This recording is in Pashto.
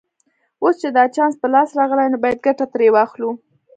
اوس چې دا چانس په لاس راغلی نو باید ګټه ترې واخلو